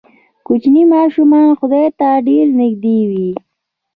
کوچني ماشومان خدای ته ډېر نږدې وي.